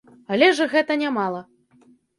Але ж і гэта не мала.